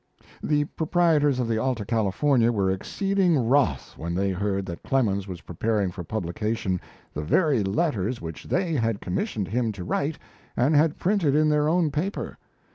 The proprietors of the 'Alta California' were exceeding wroth when they heard that Clemens was preparing for publication the very letters which they had commissioned him to write and had printed in their own paper.